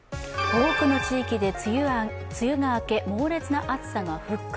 多くの地域で梅雨が明け猛烈な暑さが復活。